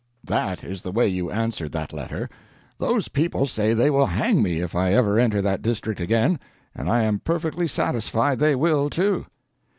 "That is the way you answered that letter. Those people say they will hang me, if I ever enter that district again; and I am perfectly satisfied they will, too."